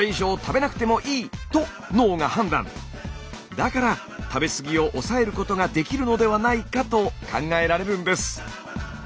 だから食べ過ぎを抑えることができるのではないかと考えられるんです。